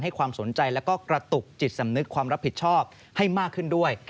ความสนใจแล้วก็กระตุกจิตสำนึกความรับผิดชอบให้มากขึ้นด้วย